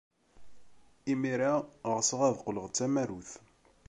Imir-a, ɣseɣ ad qqleɣ d tamarut.